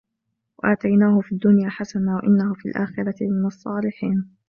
وَآتَيْنَاهُ فِي الدُّنْيَا حَسَنَةً وَإِنَّهُ فِي الْآخِرَةِ لَمِنَ الصَّالِحِينَ